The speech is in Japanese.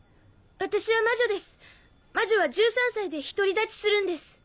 私は魔女です魔女は１３歳で独り立ちするんです。